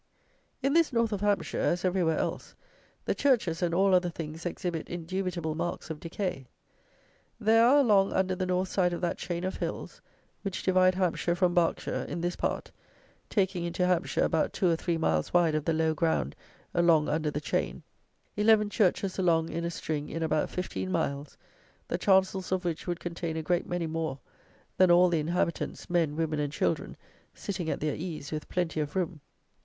In this North of Hampshire, as everywhere else, the churches and all other things exhibit indubitable marks of decay. There are along under the north side of that chain of hills, which divide Hampshire from Berkshire, in this part, taking into Hampshire about two or three miles wide of the low ground along under the chain, eleven churches along in a string in about fifteen miles, the chancels of which would contain a great many more than all the inhabitants, men, women, and children, sitting at their ease with plenty of room.